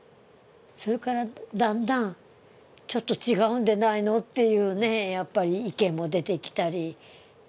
それから、だんだんちょっと違うんでないのという意見も出てきたり。